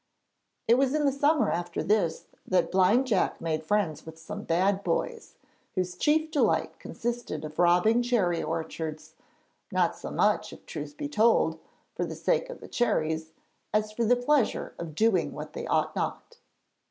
It was in the summer after this that Blind Jack made friends with some bad boys, whose chief delight consisted of robbing cherry orchards; not so much, if the truth be told, for the sake of the cherries, as for the pleasure of doing what they ought not.